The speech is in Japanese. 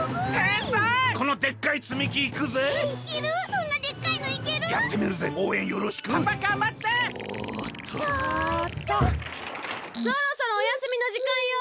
そろそろおやすみのじかんよ。